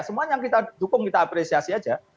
semua yang kita dukung kita apresiasi aja